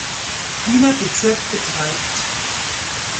Wiener Bezirk betreibt.